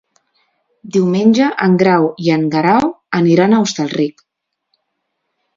Diumenge en Grau i en Guerau aniran a Hostalric.